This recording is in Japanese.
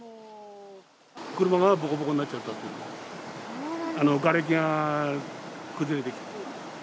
車がぼこぼこになっちゃったって、がれきが崩れてきて。